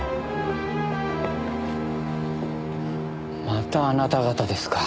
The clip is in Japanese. またあなた方ですか。